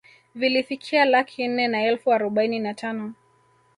Vilifikia laki nne na elfu arobaini na tano